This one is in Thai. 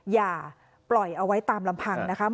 อย่าปล่อยเอาไว้ตามลำพังนะคะ